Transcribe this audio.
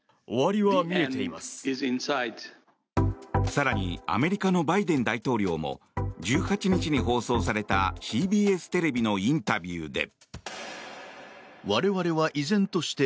更にアメリカのバイデン大統領も１８日に放送されたＣＢＳテレビのインタビューで。